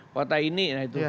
kota ini nah itu